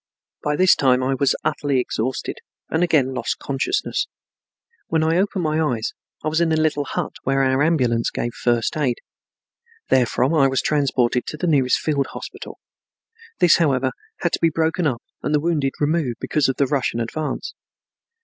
By this time I was utterly exhausted and again lost consciousness. When I opened my eyes, I was in a little hut where our ambulance gave first aid. Therefrom I was transported to the nearest field hospital. This, however, had to be broken up and the wounded removed because of the Russian advance.